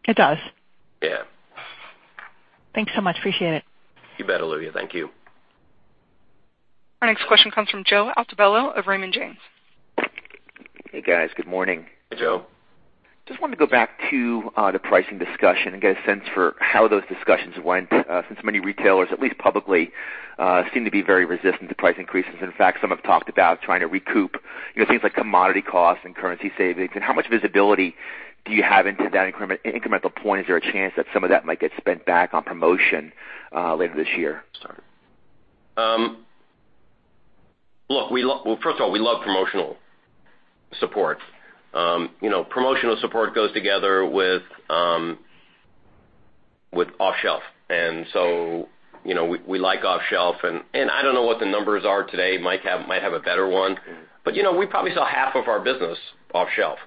It does. Yeah. Thanks so much. Appreciate it. You bet, Olivia. Thank you. Our next question comes from Joe Altobello of Raymond James. Hey, guys. Good morning. Hey, Joe. Just wanted to go back to the pricing discussion and get a sense for how those discussions went, since many retailers, at least publicly, seem to be very resistant to price increases. In fact, some have talked about trying to recoup things like commodity costs and currency savings. How much visibility do you have into that incremental point? Is there a chance that some of that might get spent back on promotion later this year? Well, first of all, we love promotional support. Promotional support goes together with off-shelf, we like off-shelf. I don't know what the numbers are today, Mike Lukemire might have a better one. We probably sell half of our business off-shelf.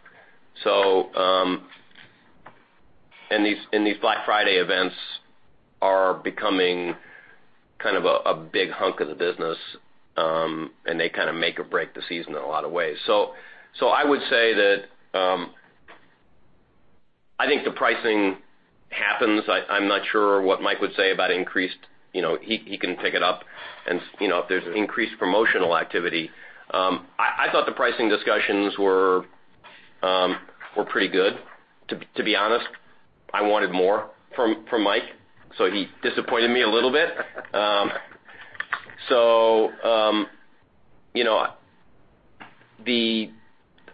These Black Friday events are becoming kind of a big hunk of the business, and they kind of make or break the season in a lot of ways. I would say that, I think the pricing happens. I'm not sure what Mike Lukemire would say about He can pick it up and if there's increased promotional activity. I thought the pricing discussions were pretty good. To be honest, I wanted more from Mike Lukemire, so he disappointed me a little bit.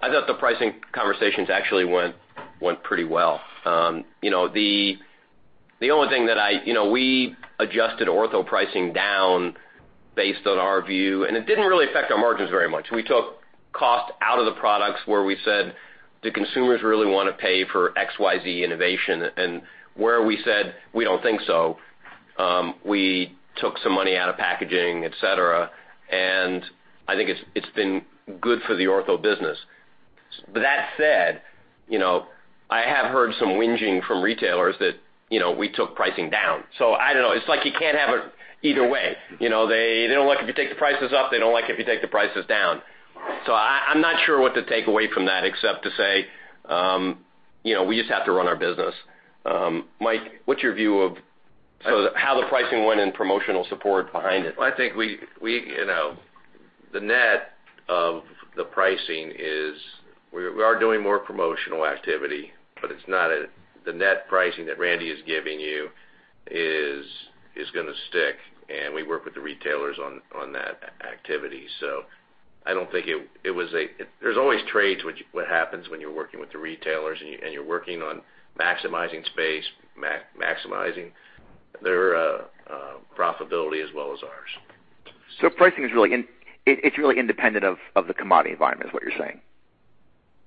I thought the pricing conversations actually went pretty well. We adjusted Ortho pricing down based on our view, and it didn't really affect our margins very much. We took cost out of the products where we said, "Do consumers really want to pay for XYZ innovation?" Where we said, "We don't think so," we took some money out of packaging, et cetera, I think it's been good for the Ortho business. That said, I have heard some whinging from retailers that we took pricing down. I don't know. It's like you can't have it either way. They don't like it if you take the prices up, they don't like it if you take the prices down. I'm not sure what to take away from that except to say, we just have to run our business. Mike Lukemire, what's your view of how the pricing went and promotional support behind it? I think the net of the pricing is we are doing more promotional activity, but the net pricing that Randy is giving you is going to stick, and we work with the retailers on that activity. I don't think it was There's always trades, what happens when you're working with the retailers and you're working on maximizing space, maximizing their profitability as well as ours. Pricing is really independent of the commodity environment, is what you're saying.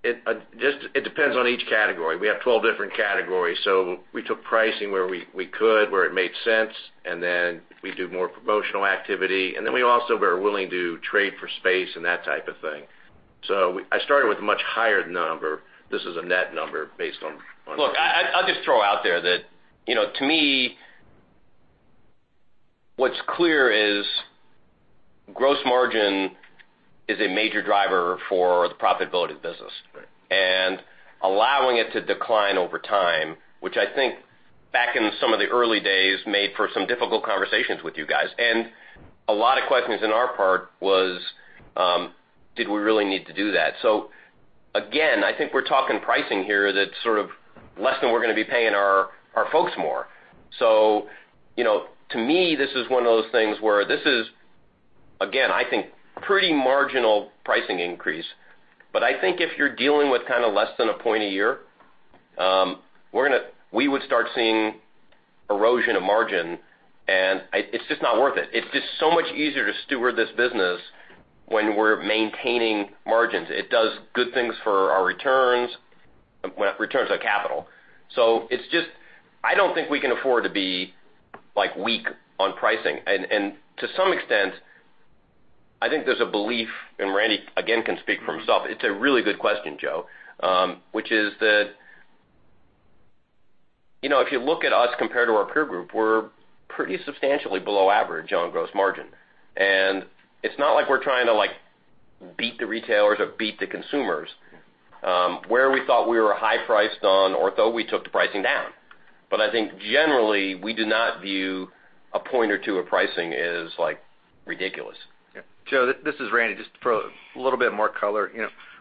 It depends on each category. We have 12 different categories. We took pricing where we could, where it made sense, and then we do more promotional activity. We also were willing to trade for space and that type of thing. I started with a much higher number. This is a net number based on. Look, I'll just throw out there that, to me, what's clear is gross margin is a major driver for the profitability of the business. Right. Allowing it to decline over time, which I think back in some of the early days, made for some difficult conversations with you guys. A lot of questions on our part was, did we really need to do that? Again, I think we're talking pricing here that's sort of less than we're going to be paying our folks more. To me, this is one of those things where this is, again, I think pretty marginal pricing increase. I think if you're dealing with kind of less than a point a year, we would start seeing erosion of margin, and it's just not worth it. It's just so much easier to steward this business when we're maintaining margins. It does good things for our returns on capital. It's just, I don't think we can afford to be weak on pricing. To some extent, I think there's a belief, Randy again, can speak for himself. It's a really good question, Joe, which is that, if you look at us compared to our peer group, we're pretty substantially below average on gross margin. It's not like we're trying to beat the retailers or beat the consumers. Where we thought we were high-priced on Ortho, we took the pricing down. I think generally, we do not view a point or two of pricing as ridiculous. Yeah. Joe, this is Randy. Just to throw a little bit more color.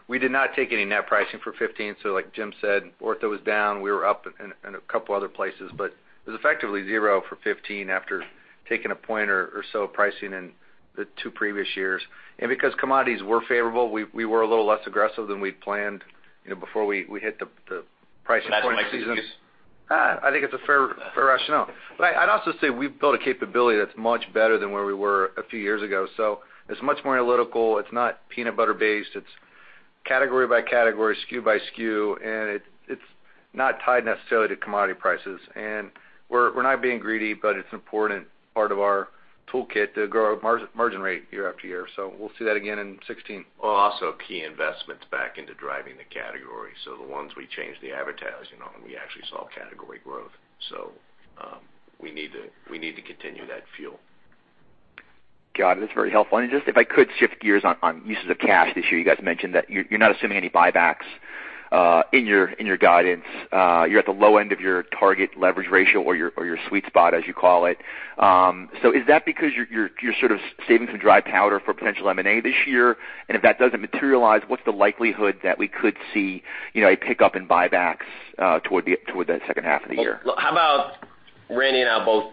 We did not take any net pricing for 2015, so like Jim said, Ortho was down. We were up in a couple other places, but it was effectively zero for 2015 after taking a point or so of pricing in the two previous years. Because commodities were favorable, we were a little less aggressive than we'd planned before we hit the pricing season. I think it's a fair rationale. I'd also say we've built a capability that's much better than where we were a few years ago. It's much more analytical. It's not peanut butter based. It's category by category, SKU by SKU, and it's not tied necessarily to commodity prices. We're not being greedy, it's important part of our toolkit to grow our margin rate year after year. We'll see that again in 2016. Also key investments back into driving the category. The ones we changed the advertising on, we actually saw category growth. We need to continue that fuel. Got it. That's very helpful. Just if I could shift gears on uses of cash this year. You guys mentioned that you're not assuming any buybacks in your guidance. You're at the low end of your target leverage ratio or your sweet spot, as you call it. Is that because you're sort of saving some dry powder for potential M&A this year, and if that doesn't materialize, what's the likelihood that we could see a pickup in buybacks toward that second half of the year? How about Randy and I both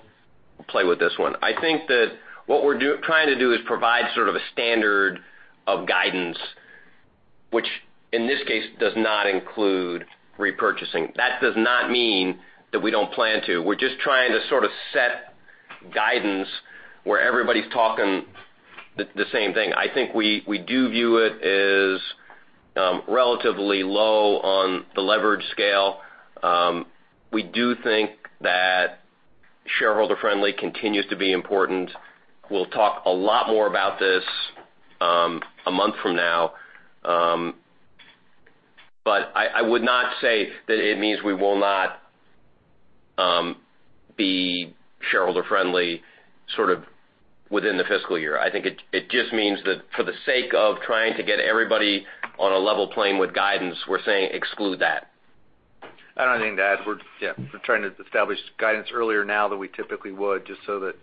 play with this one? I think that what we're trying to do is provide sort of a standard of guidance, which in this case, does not include repurchasing. That does not mean that we don't plan to. We're just trying to sort of set guidance where everybody's talking the same thing. I think we do view it as relatively low on the leverage scale. We do think that shareholder friendly continues to be important. We'll talk a lot more about this a month from now. I would not say that it means we will not be shareholder friendly sort of within the fiscal year. I think it just means that for the sake of trying to get everybody on a level playing with guidance, we're saying exclude that. I don't think that, yeah, we're trying to establish guidance earlier now than we typically would, just so that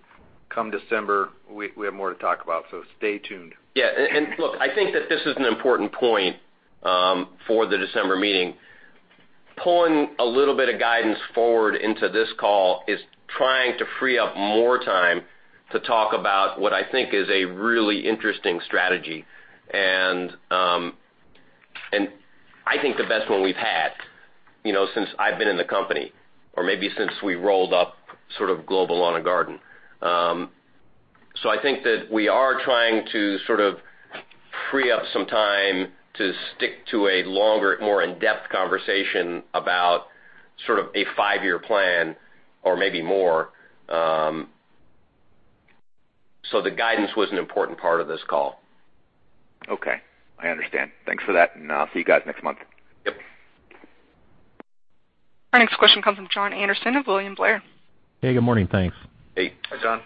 come December, we have more to talk about. Stay tuned. Yeah. Look, I think that this is an important point for the December meeting. Pulling a little bit of guidance forward into this call is trying to free up more time to talk about what I think is a really interesting strategy, and I think the best one we've had since I've been in the company, or maybe since we rolled up sort of global Lawn & Garden. I think that we are trying to sort of free up some time to stick to a longer, more in-depth conversation about sort of a five-year plan or maybe more. The guidance was an important part of this call. Okay. I understand. Thanks for that, and I'll see you guys next month. Yep. Our next question comes from Jon Andersen of William Blair. Hey, good morning. Thanks. Hey. Hey, Jon.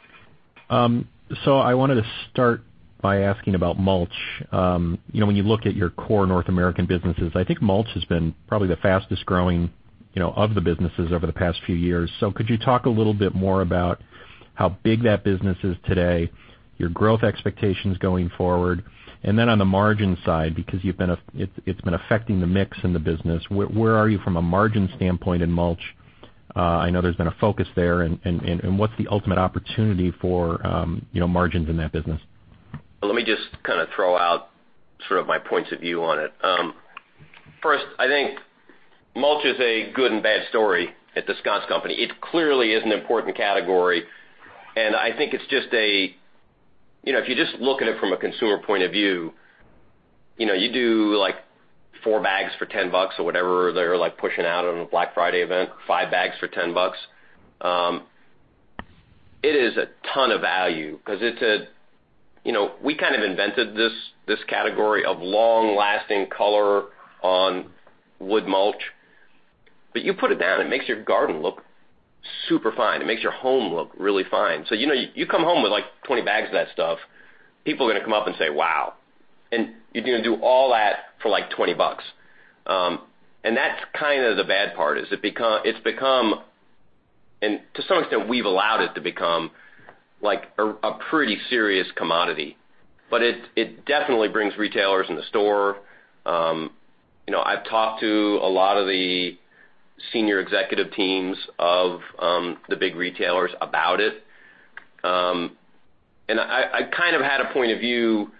I wanted to start by asking about mulch. When you look at your core North American businesses, I think mulch has been probably the fastest growing of the businesses over the past few years. Could you talk a little bit more about how big that business is today, your growth expectations going forward, and then on the margin side, because it's been affecting the mix in the business, where are you from a margin standpoint in mulch? I know there's been a focus there, and what's the ultimate opportunity for margins in that business? Let me just kind of throw out sort of my points of view on it. First, I think mulch is a good and bad story at The Scotts Company. It clearly is an important category, and I think if you just look at it from a consumer point of view, you do four bags for $10 or whatever they're pushing out on a Black Friday event, five bags for $10. It is a ton of value because we kind of invented this category of long-lasting color on wood mulch. You put it down, it makes your garden look super fine. It makes your home look really fine. You come home with, like, 20 bags of that stuff. People are going to come up and say, "Wow." You're going to do all that for, like, $20. That's kind of the bad part is it's become, and to some extent, we've allowed it to become a pretty serious commodity. It definitely brings retailers in the store. I've talked to a lot of the senior executive teams of the big retailers about it. I kind of had a point of view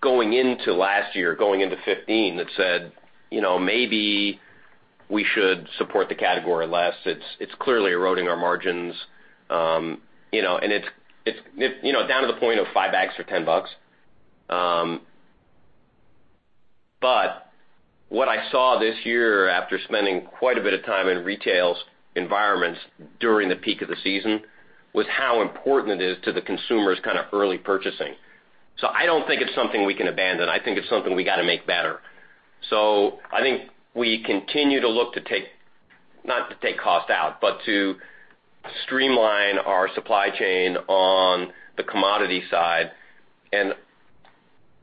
going into last year, going into 2015 that said maybe we should support the category less. It's clearly eroding our margins. It's down to the point of five bags for $10. What I saw this year after spending quite a bit of time in retails environments during the peak of the season was how important it is to the consumers kind of early purchasing. I don't think it's something we can abandon. I think it's something we got to make better. I think we continue to look to take, not to take cost out, but to streamline our supply chain on the commodity side.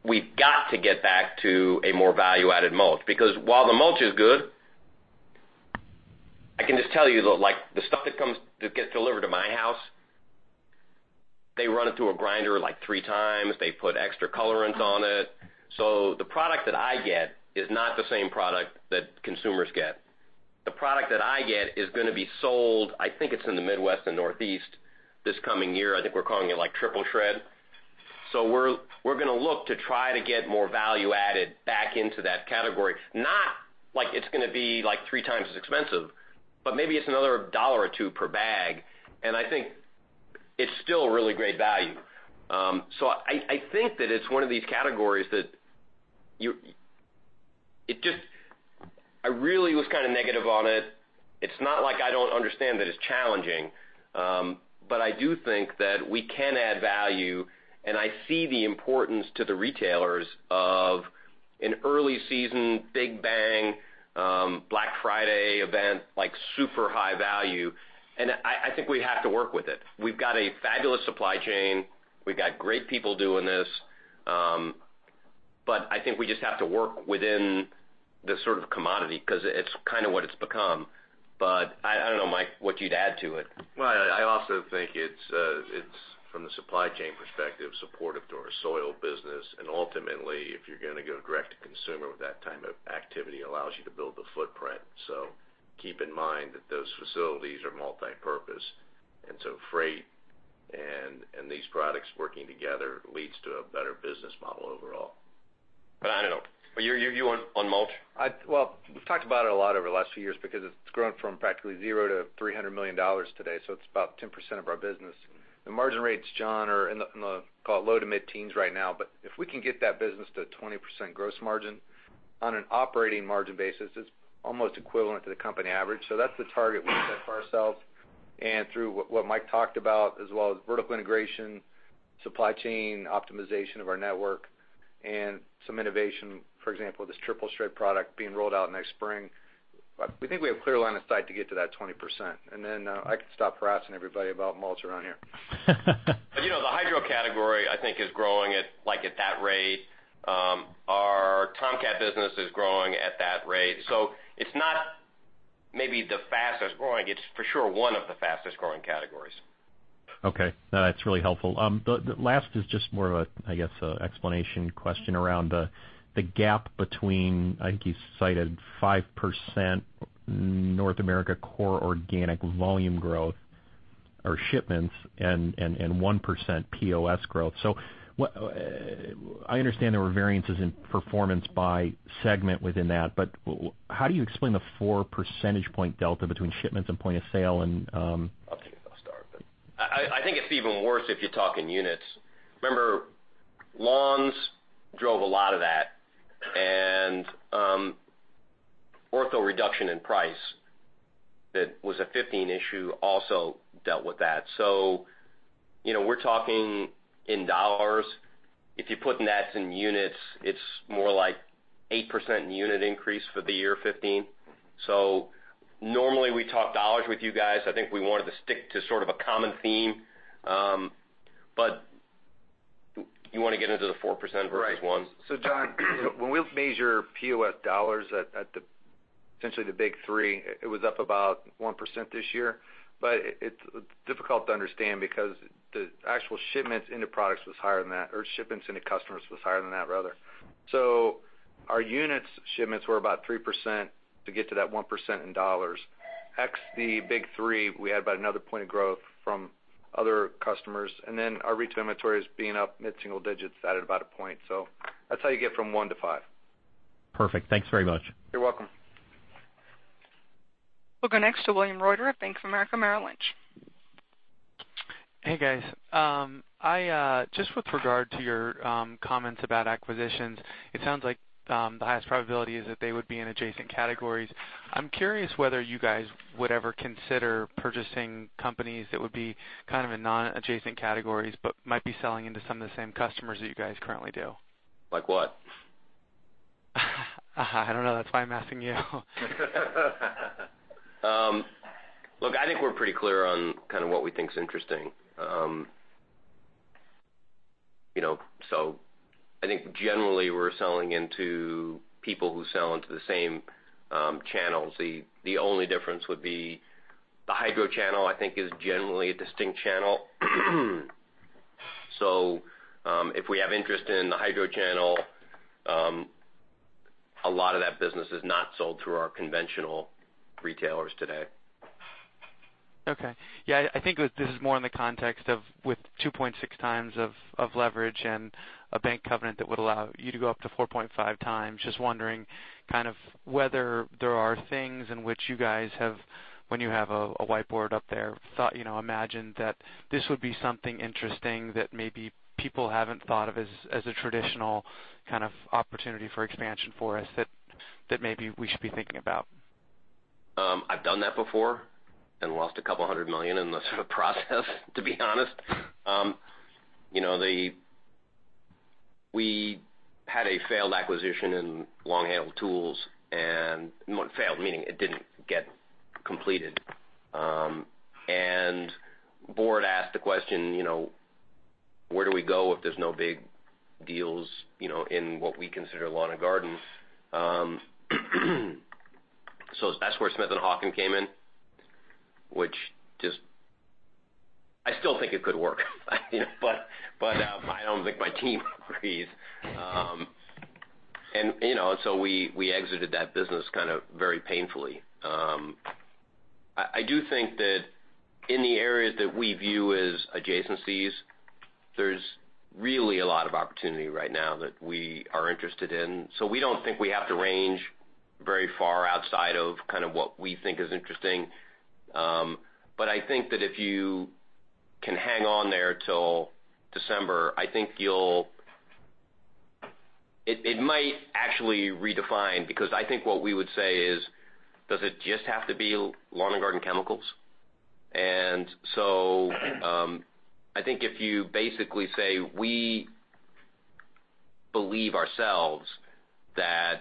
We've got to get back to a more value-added mulch because while the mulch is good, I can just tell you, the stuff that gets delivered to my house, they run it through a grinder three times. They put extra colorants on it. The product that I get is not the same product that consumers get. The product that I get is going to be sold, I think it's in the Midwest and Northeast this coming year. I think we're calling it Triple Shred. We're going to look to try to get more value added back into that category. Not like it's going to be three times as expensive, but maybe it's another dollar or two per bag, and I think it's still a really great value. I think that it's one of these categories that I really was kind of negative on it. It's not like I don't understand that it's challenging. I do think that we can add value, and I see the importance to the retailers of an early season, big bang, Black Friday event, like super high value, and I think we have to work with it. We've got a fabulous supply chain. We've got great people doing this. I think we just have to work within this sort of commodity because it's kind of what it's become. I don't know, Mike, what you'd add to it. Well, I also think it's, from the supply chain perspective, supportive to our soil business, and ultimately, if you're going to go direct to consumer with that type of activity, allows you to build the footprint. Keep in mind that those facilities are multipurpose, freight and these products working together leads to a better business model overall. I don't know. You on mulch? We've talked about it a lot over the last few years because it's grown from practically zero to $300 million today, so it's about 10% of our business. The margin rates, Jon, are in the call it low to mid-teens right now, but if we can get that business to 20% gross margin, on an operating margin basis, it's almost equivalent to the company average. That's the target we set for ourselves. Through what Mike talked about, as well as vertical integration, supply chain optimization of our network, and some innovation, for example, this Triple Shred product being rolled out next spring, we think we have clear line of sight to get to that 20%. Then I can stop harassing everybody about mulch around here. The hydro category, I think is growing at that rate. Our Tomcat business is growing at that rate. It's not maybe the fastest growing. It's for sure one of the fastest growing categories. Okay. No, that's really helpful. The last is just more of, I guess, an explanation question around the gap between, I think you cited 5% North America core organic volume growth or shipments and 1% POS growth. I understand there were variances in performance by segment within that, but how do you explain the four percentage point delta between shipments and point of sale and? I'll start. I think it's even worse if you talk in units. Remember, lawns drove a lot of that, and Ortho reduction in price that was a 2015 issue also dealt with that. We're talking in dollars. If you put nets in units, it's more like 8% unit increase for the year 2015. Normally we talk dollars with you guys. I think we wanted to stick to sort of a common theme. You want to get into the 4% versus 1%? Right. Jon, when we measure POS dollars at essentially the big three, it was up about 1% this year. It's difficult to understand because the actual shipments into products was higher than that, or shipments into customers was higher than that, rather. Our units shipments were about 3% to get to that 1% in dollars. X the big three, we had about another point of growth from other customers, and then our retail inventories being up mid-single digits, added about a point. That's how you get from 1% to 5%. Perfect. Thanks very much. You're welcome. We'll go next to William Reuter at Bank of America Merrill Lynch. Hey, guys. Just with regard to your comments about acquisitions, it sounds like the highest probability is that they would be in adjacent categories. I'm curious whether you guys would ever consider purchasing companies that would be kind of in non-adjacent categories, might be selling into some of the same customers that you guys currently do. Like what? I don't know. That's why I'm asking you. Look, I think we're pretty clear on kind of what we think is interesting. I think generally we're selling into people who sell into the same channels. The only difference would be the hydro channel, I think is generally a distinct channel. If we have interest in the hydro channel, a lot of that business is not sold through our conventional retailers today. Okay. Yeah, I think this is more in the context of with 2.6 times of leverage and a bank covenant that would allow you to go up to 4.5 times. Just wondering kind of whether there are things in which you guys have, when you have a whiteboard up there, imagined that this would be something interesting that maybe people haven't thought of as a traditional kind of opportunity for expansion for us that maybe we should be thinking about. I've done that before and lost a couple hundred million in the sort of process, to be honest. We had a failed acquisition in long-handle tools. Well, it failed, meaning it didn't get completed. The board asked the question, where do we go if there's no big deals in what we consider lawn and garden? That's where Smith & Hawken came in, which I still think it could work but I don't think my team agrees. We exited that business kind of very painfully. I do think that in the areas that we view as adjacencies, there's really a lot of opportunity right now that we are interested in. We don't think we have to range very far outside of what we think is interesting. I think that if you can hang on there till December, it might actually redefine, because I think what we would say is, does it just have to be lawn and garden chemicals? I think if you basically say, we believe ourselves that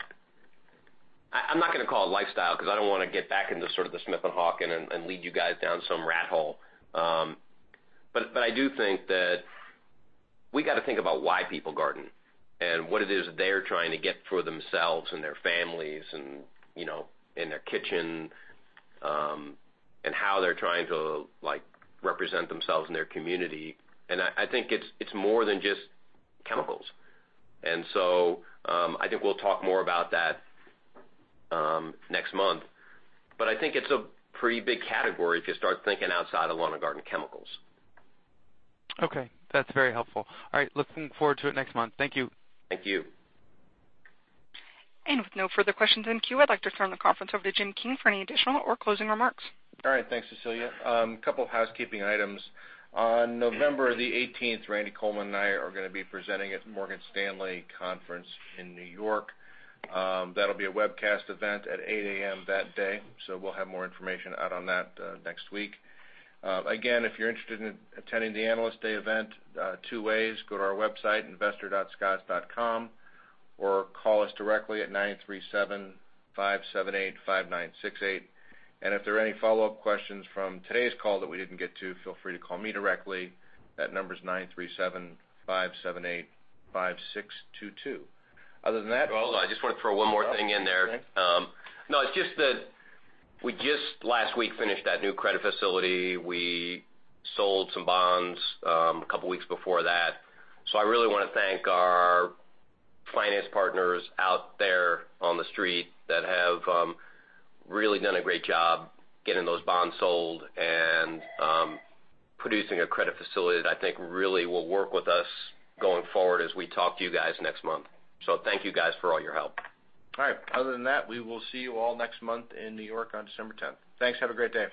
I'm not going to call it lifestyle because I don't want to get back into sort of the Smith & Hawken and lead you guys down some rat hole. I do think that we got to think about why people garden and what it is they're trying to get for themselves and their families, and in their kitchen, and how they're trying to represent themselves in their community. I think it's more than just chemicals. I think we'll talk more about that next month. I think it's a pretty big category if you start thinking outside of lawn and garden chemicals. Okay. That's very helpful. All right. Looking forward to it next month. Thank you. Thank you. With no further questions in queue, I'd like to turn the conference over to Jim King for any additional or closing remarks. Thanks, Cecilia. Couple of housekeeping items. On November the 18th, Randy Coleman and I are going to be presenting at the Morgan Stanley conference in New York. That'll be a webcast event at 8:00 A.M. that day. We'll have more information out on that next week. If you're interested in attending the Analyst Day event, two ways, go to our website, investor.scotts.com or call us directly at 937-578-5968. If there are any follow-up questions from today's call that we didn't get to, feel free to call me directly. That number is 937-578-5622. Other than that. Hold on. I just want to throw one more thing in there. Okay. It's just that we just last week finished that new credit facility. We sold some bonds a couple of weeks before that. I really want to thank our finance partners out there on The Street that have really done a great job getting those bonds sold and producing a credit facility that I think really will work with us going forward as we talk to you guys next month. Thank you guys for all your help. Other than that, we will see you all next month in New York on December 10th. Thanks. Have a great day.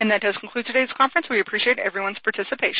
That does conclude today's conference. We appreciate everyone's participation.